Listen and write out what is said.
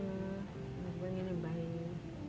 gimana kepingin mbah ini